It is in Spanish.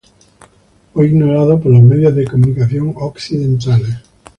Fue ignorado por los medios de comunicación occidentales.